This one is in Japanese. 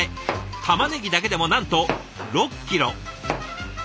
たまねぎだけでもなんと６キロ。